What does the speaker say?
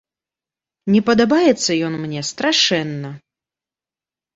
Не падабаецца ён мне страшэнна.